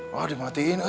wah dimatikan ya